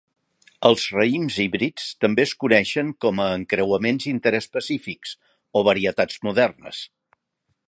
Els raïms híbrids també es coneixen com a encreuaments interespecífics o varietats modernes.